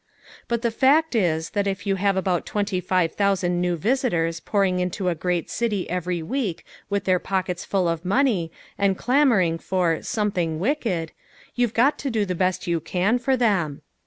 But the fact is that if you have about twenty five thousand new visitors pouring into a great city every week with their pockets full of money and clamoring for "something wicked," you've got to do the best you can for them.